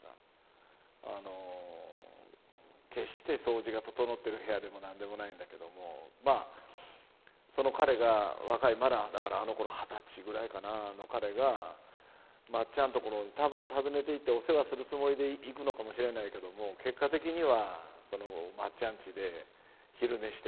あの決して掃除が整ってる部屋でも何でもないんだけどもまあその彼が若いまだだからあのころ二十歳ぐらいかな彼がまっちゃんところに多分訪ねていってお世話するつもりで行くのかもしれないけども結果的にはそのまっちゃん家で昼寝して帰ってくるんですね。